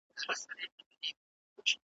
په ګرداب کی ستاسي کلی د پلار ګور دی .